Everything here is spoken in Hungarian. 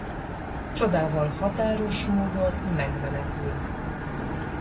Csodával határos módon megmenekül.